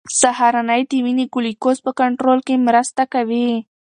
سهارنۍ د وینې ګلوکوز په کنټرول کې مرسته کوي.